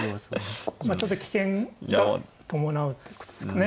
ちょっと危険が伴うってことですかね。